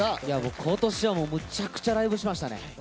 今年はむちゃくちゃライブしましたね。